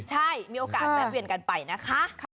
ใช่มีโอกาสแวะเวียนกันไปนะคะ